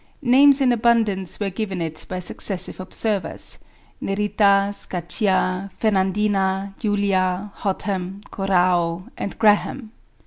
Names in abundance were given it by successive observers, Nerita, Sciacca, Fernandina, Julia, Hotham, Corrao, and Graham.